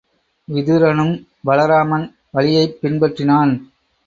விதுரனும் பலராமன் வழியைப் பின்பற்றினான்.